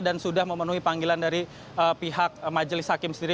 dan sudah memenuhi panggilan dari pihak majelis hakim sendiri